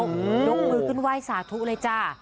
ยกมือขึ้นไหว้สาธุเลยจ้า